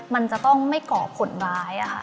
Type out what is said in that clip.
มันจะต้องไม่เกาะผลร้าย